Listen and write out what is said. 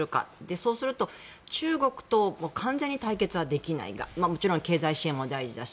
そうすると中国と完全に対決はできないがもちろん経済支援も大事だし。